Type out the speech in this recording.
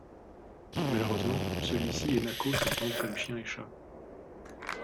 Malheureusement, celui-ci et Nako s'entendent comme chien et chat.